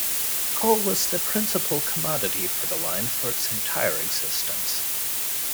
Coal was the principle commodity for the line for its entire existence.